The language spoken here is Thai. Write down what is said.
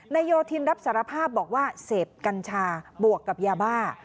โยธินรับสารภาพบอกว่าเสพกัญชาบวกกับยาบ้า